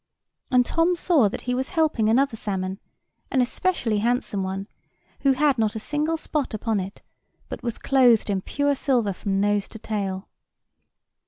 And Tom saw that he was helping another salmon, an especially handsome one, who had not a single spot upon it, but was clothed in pure silver from nose to tail.